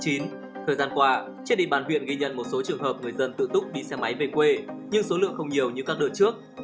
thời gian qua triết định bán viện ghi nhận một số trường hợp người dân tự túc đi xe máy về quê nhưng số lượng không nhiều như các đợt trước